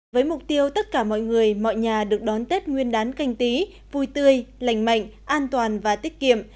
với mục tiêu tất cả mọi người mọi nhà được đón tết nguyên đán canh tí vui tươi lành mạnh an toàn và tiết kiệm